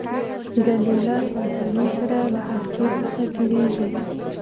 ګلوله په اسانۍ سره له حلقې څخه تیریږي.